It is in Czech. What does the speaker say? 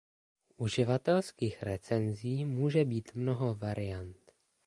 Uživatelských recenzí může být mnoho variant.